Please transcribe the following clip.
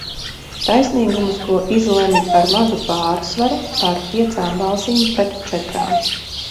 Taisnīgums, ko izlemj ar mazu pārsvaru ar piecām balsīm pret četrām.